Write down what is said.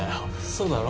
そうだろ？